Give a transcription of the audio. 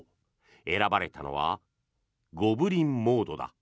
選ばれたのはゴブリン・モードだ。